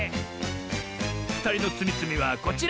ふたりのつみつみはこちら！